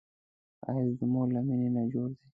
ښایست د مور له مینې نه جوړ دی